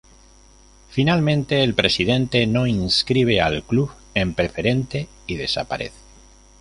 Finalmente el presidente no inscribe al club en Preferente y desaparece.